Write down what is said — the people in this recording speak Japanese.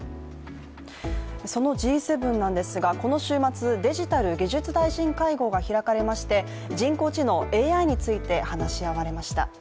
そのＧ７なんですがこの週末、デジタル・技術大臣会合が開かれまして人工知能＝ＡＩについて話し合われました。